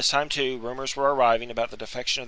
c. time too rumours were arriving about the defection Threatened